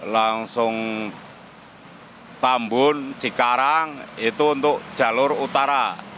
langsung tambun cikarang itu untuk jalur utara